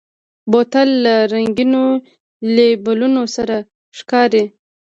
بوتل له رنګینو لیبلونو سره ښکاري.